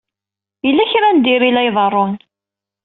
Yella kra n diri i la iḍerrun.